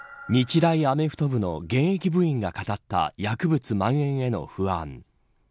日大アメフト部の現役部員が語った薬物まん延への不安。